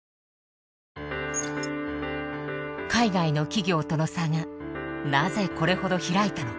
海外の企業との差がなぜこれほど開いたのか。